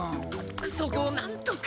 そこをなんとか！